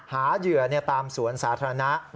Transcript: เหยื่อตามสวนสาธารณะ